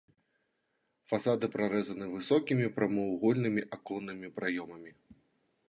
Фасады прарэзаны высокімі прамавугольнымі аконнымі праёмамі.